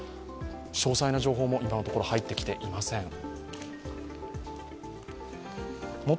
詳細な情報も今のところ入ってきていません。